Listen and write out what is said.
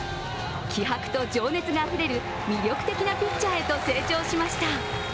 気迫と情熱があふれる魅力的なピッチャーへと成長しました。